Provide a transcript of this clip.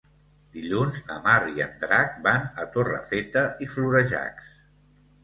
Dilluns na Mar i en Drac van a Torrefeta i Florejacs.